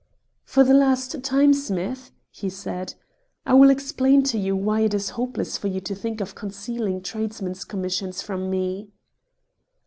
"For the last time, Smith," he said, "I will explain to you why it is hopeless for you to think of concealing tradesmen's commissions from me."